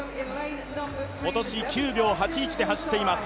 今年９秒８１で走っています